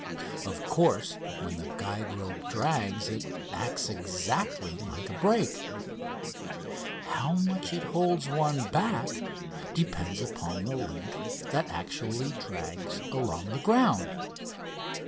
Of course, when the guide rope drags it acts exactly like a brake. How much it holds one back depends upon the length that actually drags along the ground.